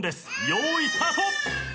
用意スタート。